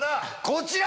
こちら！